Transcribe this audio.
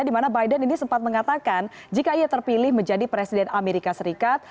dimana biden ini sempat mengatakan jika ia terpilih menjadi presiden amerika serikat